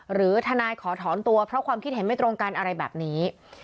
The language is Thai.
หรือทนายขอถอนตัวเพราะความคิดเห็นไม่ตรงกันอะไรแบบนี้